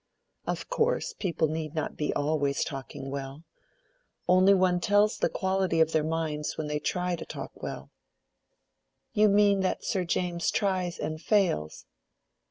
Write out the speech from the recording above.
"Of course people need not be always talking well. Only one tells the quality of their minds when they try to talk well." "You mean that Sir James tries and fails."